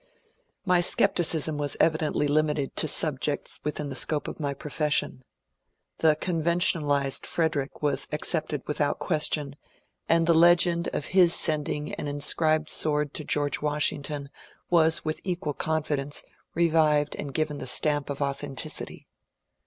My scepticism was evidently limited to subjects within the scope of my profession. The conventionalized Frederick was accepted without question, and the legend of his sending an* inscribed sword to George Washington was with equal confi dence revived and given the stamp of authenticity.